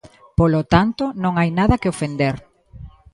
Polo tanto, non hai nada que ofender.